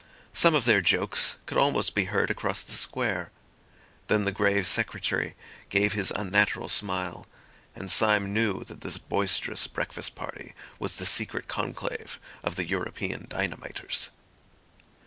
Some of their jokes could almost be heard across the square. Then the grave Secretary gave his unnatural smile, and Syme knew that this boisterous breakfast party was the secret conclave of the European Dynamiters.